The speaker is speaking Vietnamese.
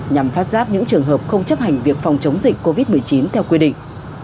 nhằm phát giác những trường hợp không chấp hành việc phòng chống dịch covid một mươi chín theo quy định